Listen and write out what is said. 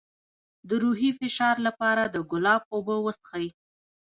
د روحي فشار لپاره د ګلاب اوبه وڅښئ